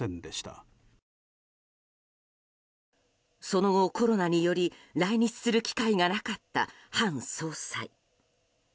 その後、コロナにより来日する機会がなかった韓総裁。